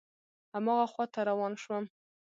هماغه خواته روان شوم.